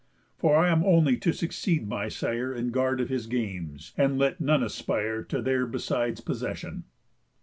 For I am only to succeed my sire In guard of his games, and let none aspire To their besides possession."